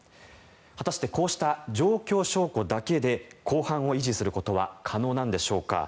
果たしてこうした状況証拠だけで公判を維持することは可能なんでしょうか。